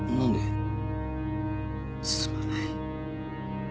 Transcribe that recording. すまない。